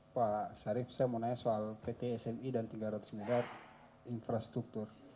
pak syarif saya mau nanya soal pt smi dan tiga ratus muda infrastruktur